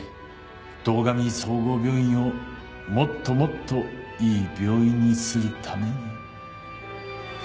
堂上総合病院をもっともっといい病院にするために。